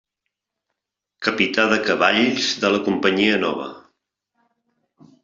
Capità de cavalls de la companyia nova.